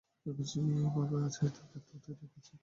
আমি যে ভাবে আছি, তাতেই ঠিক আছি।